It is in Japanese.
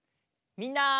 みんな！